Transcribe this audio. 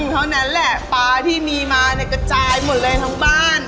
เท่านั้นแหละปลาที่มีมาเนี่ยกระจายหมดเลยทั้งบ้าน